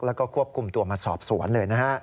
แล้วก็ควบคุมตัวมาสอบสวนเลยนะฮะ